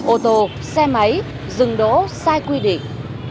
ô tô xe máy rừng đỗ sai quy định